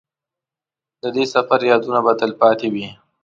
د دې سفر یادونه به تلپاتې وي.